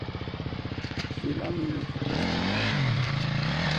Velamenicoccus ab.